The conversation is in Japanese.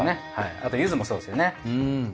あとゆずもそうですよね。